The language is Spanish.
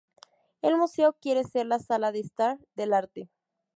El museo quiere ser La Sala de Estar del Arte.